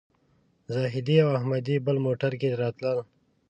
زاهدي او احمدي بل موټر کې راتلل.